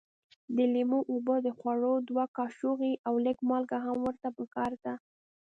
د لیمو اوبه د خوړو دوه کاشوغې او لږ مالګه هم ورته پکار ده.